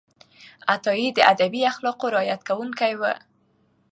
عطایي د ادبي اخلاقو رعایت کوونکی و.